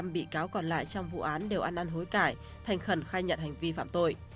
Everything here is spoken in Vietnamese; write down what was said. tám mươi bị cáo còn lại trong vụ án đều ăn ăn hối cải thành khẩn khai nhận hành vi phạm tội